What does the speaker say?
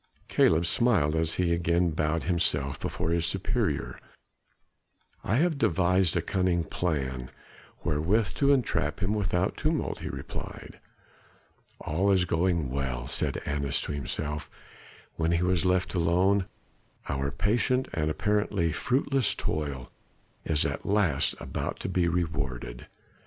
Caleb smiled as he again bowed himself before his superior. "I have devised a cunning plan wherewith to entrap him without tumult," he replied. "All is going well," said Annas to himself when he was left alone. "Our patient and apparently fruitless toil is at last about to be rewarded.